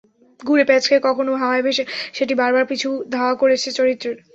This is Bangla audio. ঘুরে, প্যাঁচ খেয়ে, কখনো হাওয়ায় ভেসে সেটি বারবার পিছু ধাওয়া করেছে চরিত্রের।